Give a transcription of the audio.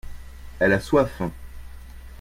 elle a soif.